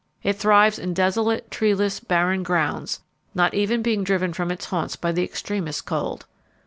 It thrives in desolate, treeless, barren grounds, not even being driven from its haunts by the extremest cold.